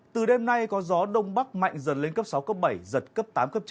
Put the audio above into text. từ đêm nay có gió đông bắc mạnh dần lên cấp sáu bảy giật cấp tám chín